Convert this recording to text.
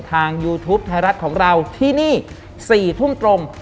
ยูทูปไทยรัฐของเราที่นี่๔ทุ่มตรง